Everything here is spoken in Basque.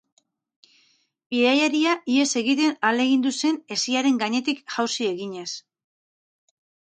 Bidaiaria ihes egiten ahalegindu zen hesiaren gainetik jauzi eginez.